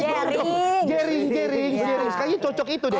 jering jering jering sekalian cocok itu deh